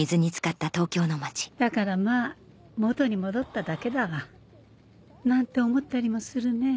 だからまあ元に戻っただけだわ。なんて思ったりもするねえ。